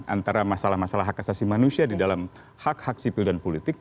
antara masalah masalah hak asasi manusia di dalam hak hak sipil dan politik